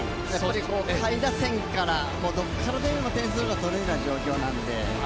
下位打線から、どこからでも点が取れるような状況なんで。